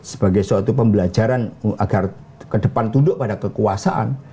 sebagai suatu pembelajaran agar ke depan tunduk pada kekuasaan